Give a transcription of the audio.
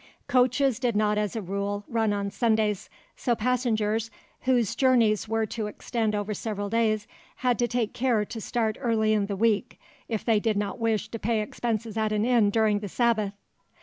Coaches did not as a rule run on Sundays, so passengers whose journeys were to extend over several days had to take care to start early in the week if they did not wish to pay expenses at an inn during the Sabbath.